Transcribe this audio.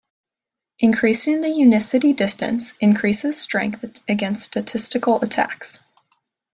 Increasing the unicity distance increases strength against statistical attacks.